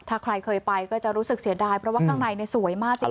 ถ้าใครเคยไปก็จะรู้สึกเสียดายเพราะว่าข้างในสวยมากจริง